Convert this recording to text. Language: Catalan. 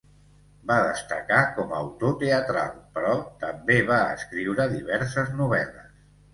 Va destacar com a autor teatral, però també va escriure diverses novel·les.